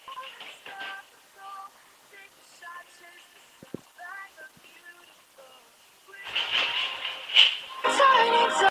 葡广并且表示阿尔蒂斯竞技场所处的万国公园为比赛场地。